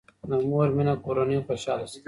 د مور مینه کورنۍ خوشاله ساتي.